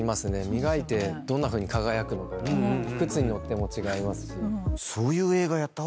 磨いてどんなふうに輝くのかが靴によっても違いますし。